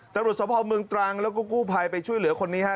สภาพเมืองตรังแล้วก็กู้ภัยไปช่วยเหลือคนนี้ฮะ